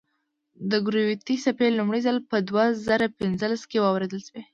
د ګرویتي څپې لومړی ځل په دوه زره پنځلس کې واورېدل شوې.